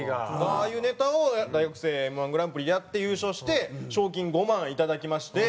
ああいうネタを大学生Ｍ−１グランプリでやって優勝して賞金５万いただきまして。